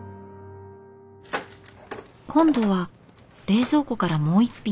今度は冷蔵庫からもう一品。